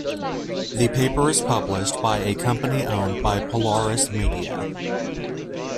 The paper is published by a company owned by Polaris Media.